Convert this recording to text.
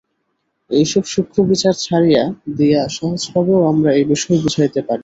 এই সব সূক্ষ্ম বিচার ছাড়িয়া দিয়া সহজভাবেও আমরা এ-বিষয় বুঝাইতে পারি।